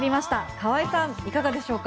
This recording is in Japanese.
河合さん、いかがでしょうか？